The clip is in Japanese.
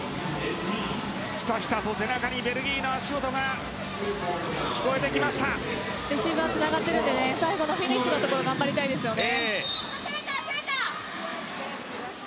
ひたひたと背中にベルギーの足音がレシーブはつながっているので最後のフィニッシュのところ頑張りたいですね。